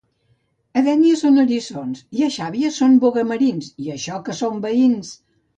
A Dénia són eriçons i a Xàbia són bogamarins... I això que som veïns!